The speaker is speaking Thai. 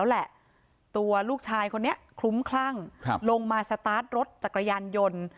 แหละตัวลูกชายคนนี้คลุ้มคลั่งครับลงมารถจากกระยันยนต์